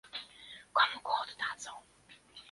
"Komu go oddadzą?"